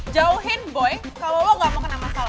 jauhin boy kalo lo gak mau kena masalah